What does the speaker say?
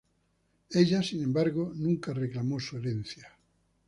Ella, sin embargo, nunca reclamó su herencia.